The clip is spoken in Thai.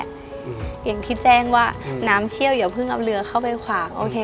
อย่างที่แจ้งว่าน้ำเชี่ยวอย่าเพิ่งเอาเรือเข้าไปขวางโอเค